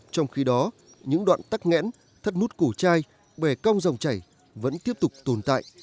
trong khi đó những đoạn tắc nghẽn thắt nút cổ chai bè cong dòng chảy vẫn tiếp tục tồn tại